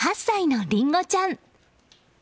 ８歳のりんごちゃん。